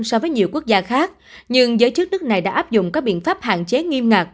so với nhiều quốc gia khác nhưng giới chức nước này đã áp dụng các biện pháp hạn chế nghiêm ngặt